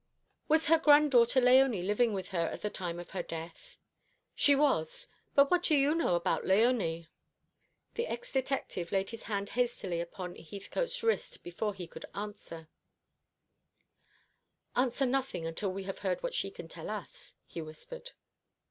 "Was her granddaughter Léonie living with her at the time of her death?" "She was. But what do you know about Léonie?" The ex detective laid his hand hastily upon Heathcote's wrist before he could answer. "Answer nothing until we have heard what she can tell us," he whispered.